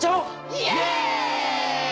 イエイ！